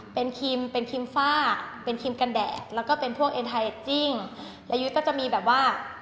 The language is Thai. เป็นครีมเป็นครีมฝ้าเป็นครีมกันแดดแล้วก็เป็นพวกและยุทธ์ก็จะมีแบบว่า